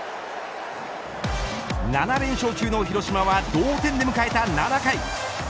７連勝中の広島は同点で迎えた７回。